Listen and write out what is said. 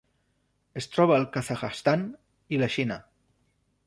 Es troba al Kazakhstan i la Xina.